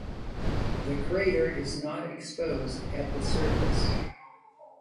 The crater is not exposed at the surface.